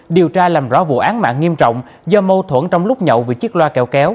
điều tra làm rõ vụ án mạng nghiêm trọng do mâu thuẫn trong lúc nhậu vì chiếc loa kẹo kéo